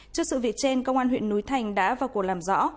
trước sự việc trên công an huyện núi thành đã vào cuộc làm rõ